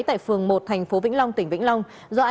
tại phường một tp vĩnh long tỉnh vĩnh long